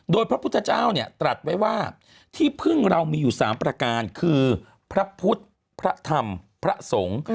โดยพระพุทธเจ้าเนี่ยตรัสไว้ว่าที่พึ่งเรามีอยู่๓ประการคือพระพุทธพระธรรมพระสงฆ์